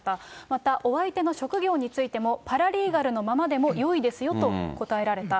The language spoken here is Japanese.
またお相手の職業についても、パラリーガルのままでもよいですよと答えられた。